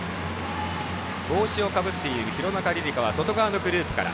帽子をかぶっている廣中璃梨佳は外側のグループから。